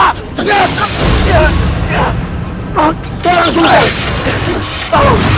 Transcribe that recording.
ini semua adalah tanggung jawabmu